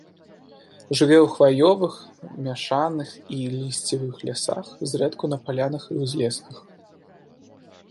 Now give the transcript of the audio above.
Жыве ў хваёвых, мяшаных і лісцевых лясах, зрэдку на палянах і ўзлесках.